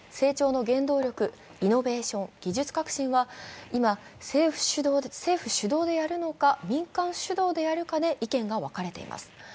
成長の原動力、イノベーション、技術革新は今、政府主導でやるのか民間主導でやるかで意見が分かれています。